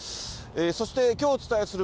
そして、きょうお伝えする